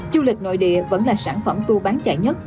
du lịch nội địa vẫn là sản phẩm tour bán chạy nhất